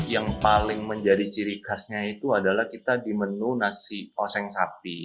yang paling menjadi ciri khasnya itu adalah kita di menu nasi oseng sapi